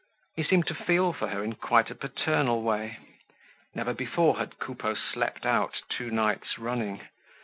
He seemed to feel for her in quite a paternal way. Never before had Coupeau slept out two nights running.